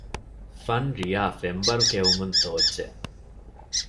ފަންރިޔާ ފެންބަރު ކެއުމުން ތޯއްޗެއް